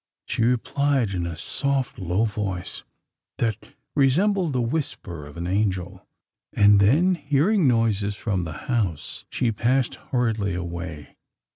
she replied in a soft low voice, that resembled the whisper of an angel; and then, hearing noises from the house, she passed hurriedly away.